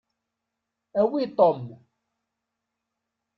Awi Tom.